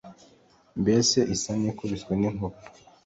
mbese isa n’ikubiswe n’inkuba.